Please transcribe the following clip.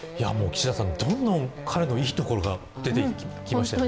どんどん、彼のいいところが出てきましたね。